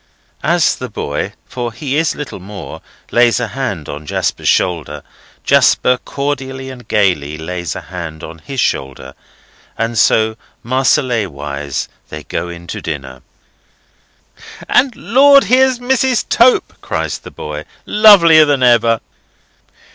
As the boy (for he is little more) lays a hand on Jasper's shoulder, Jasper cordially and gaily lays a hand on his shoulder, and so Marseillaise wise they go in to dinner. "And, Lord! here's Mrs. Tope!" cries the boy. "Lovelier than ever!"